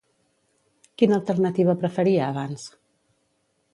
Quina alternativa preferia abans?